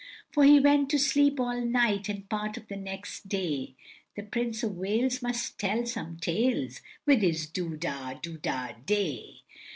For he went to sleep all night And part of the next day, The Prince of Wales must tell some tales, With his doo dah, doo dah, day.